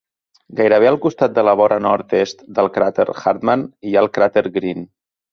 Gairebé al costat de la vora nord-est del cràter Hartmann hi ha el cràter Green.